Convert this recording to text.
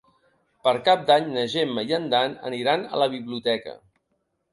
Per Cap d'Any na Gemma i en Dan aniran a la biblioteca.